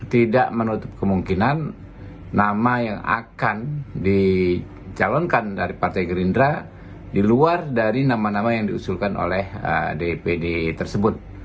tidak menutup kemungkinan nama yang akan dicalonkan dari partai gerindra di luar dari nama nama yang diusulkan oleh dpd tersebut